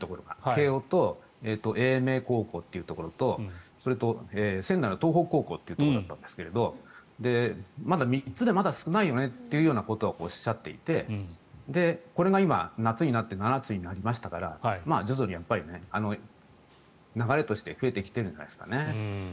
慶応と英明高校というところとそれと仙台の東北高校というところですがまだ３つで少ないよねということはおっしゃっていてこれが今、夏になって７つになりましたから徐々に流れとして増えてきてるんじゃないですかね。